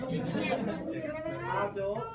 โหยืน